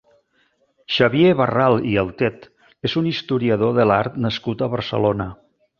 Xavier Barral i Altet és un historiador de l'art nascut a Barcelona.